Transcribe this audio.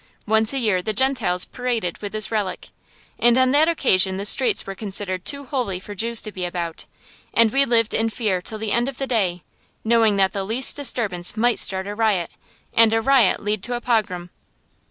Once a year the Gentiles paraded with this relic, and on that occasion the streets were considered too holy for Jews to be about; and we lived in fear till the end of the day, knowing that the least disturbance might start a riot, and a riot lead to a pogrom.